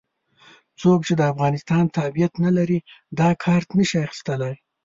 څوک چې د افغانستان تابعیت نه لري دا کارت نه شي اخستلای.